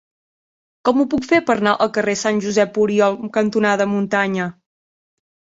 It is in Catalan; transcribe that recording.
Com ho puc fer per anar al carrer Sant Josep Oriol cantonada Muntanya?